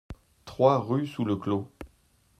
trois rue Sous Le Clos